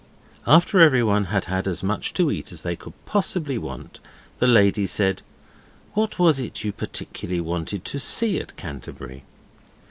After everyone had had as much to eat as they could possibly want, the lady said, 'What was it you particularly wanted to see at Canterbury?